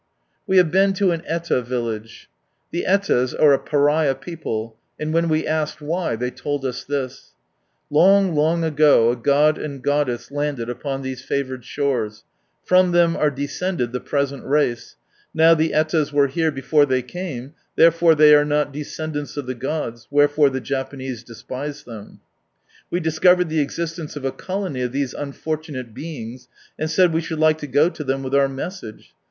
We have been to an ita village. The £tas are a pariah people, and when we asked why, they told us this — Long long ago a god and goddess landed upon these favoured shores, from them are descended the present race, now the t.las were here before they came, therefore they are not descendants of the gods, wherefore the Japanese despise them. We discovered the existence of a colony of these unfortunate beings, and said we should like to go to them with our message.